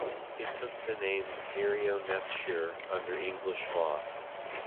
It took the name Merionethshire under English Law.